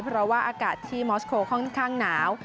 เพราะว่าอากาศที่มอสโคค่อนข้างหนาว